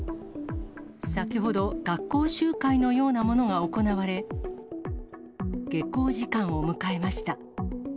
先ほど、学校集会のようなものが行われ、下校時間を迎えました。